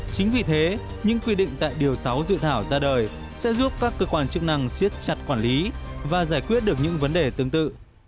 chính vì thế những quy định tại điều sáu dự thảo ra đời sẽ giúp các cơ quan chức năng siết chặt quản lý và giải quyết được những vấn đề tương tự